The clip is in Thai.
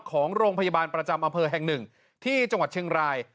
ของโรงพยาบาลประจำอำเภอแห่งหนึ่งที่จังหวัดเชียงราย